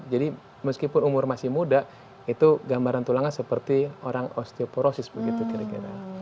jadi meskipun umur masih muda itu gambaran tulangnya seperti orang osteoporosis begitu kira kira